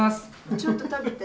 ちょっと食べて？